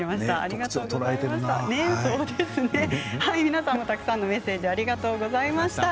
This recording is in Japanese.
皆さんもたくさんのメッセージありがとうございました。